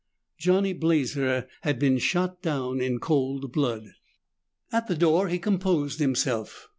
Johnny Blazer had been shot down in cold blood. At the door, he composed himself.